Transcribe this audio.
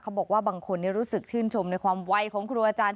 บอกว่าบางคนรู้สึกชื่นชมในความวัยของครูอาจารย์